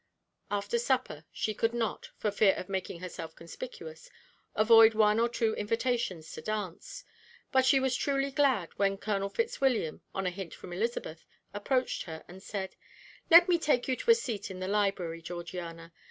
After supper, she could not, for fear of making herself conspicuous, avoid one or two invitations to dance; but she was truly glad when Colonel Fitzwilliam, on a hint from Elizabeth, approached her, and said: "Let me take you to a seat in the library, Georgiana.